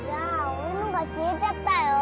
俺のが消えちゃったよ。